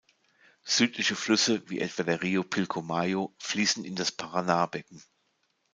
Südliche Flüsse wie etwa der Río Pilcomayo fließen in das Paraná-Becken.